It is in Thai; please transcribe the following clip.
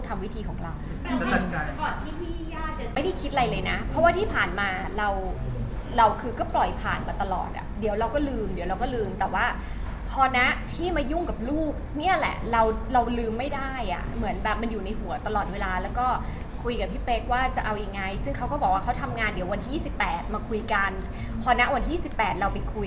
วิธีของเราไม่ได้คิดอะไรเลยนะเพราะว่าที่ผ่านมาเราเราคือก็ปล่อยผ่านมาตลอดอ่ะเดี๋ยวเราก็ลืมเดี๋ยวเราก็ลืมแต่ว่าพอนะที่มายุ่งกับลูกเนี่ยแหละเราเราลืมไม่ได้อ่ะเหมือนแบบมันอยู่ในหัวตลอดเวลาแล้วก็คุยกับพี่เป๊กว่าจะเอายังไงซึ่งเขาก็บอกว่าเขาทำงานเดี๋ยววันที่๒๘มาคุยกันพอนะวันที่สิบแปดเราไปคุย